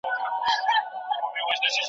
او د جبران کوښښ وکړئ.